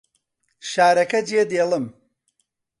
شارەکە جێدێڵم.